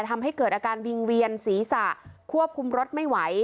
ทำให้เกิดอาการวิงเวียนศีรษะควบคุมรถไม่ไหว